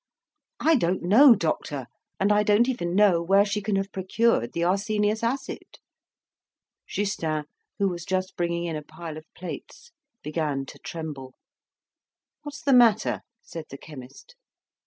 "I don't know, doctor, and I don't even know where she can have procured the arsenious acid." Justin, who was just bringing in a pile of plates, began to tremble. "What's the matter?" said the chemist.